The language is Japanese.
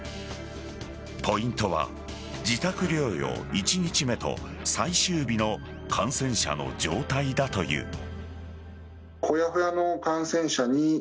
ポイントは自宅療養１日目と最終日の感染者の状態だという。